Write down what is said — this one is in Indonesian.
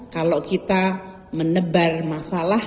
kalau kita menebar masalah